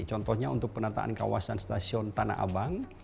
contohnya untuk penataan kawasan stasiun tanah abang